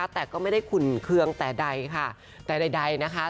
แต่ก็ไม่ได้ขุนเครื่องแต่ใดนะคะ